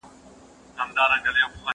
زه مېوې نه راټولوم!!